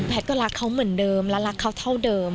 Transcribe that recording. ก็รักเขาเหมือนเดิมและรักเขาเท่าเดิม